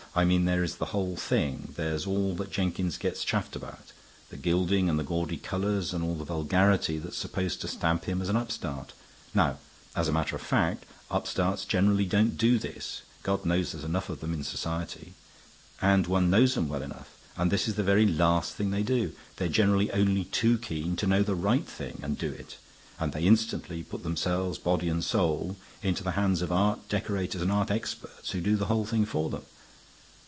I mean there is the whole thing. There's all that Jenkins gets chaffed about, the gilding and the gaudy colors and all the vulgarity that's supposed to stamp him as an upstart. Now, as a matter of fact, upstarts generally don't do this. God knows there's enough of 'em in society; and one knows 'em well enough. And this is the very last thing they do. They're generally only too keen to know the right thing and do it; and they instantly put themselves body and soul into the hands of art decorators and art experts, who do the whole thing for them.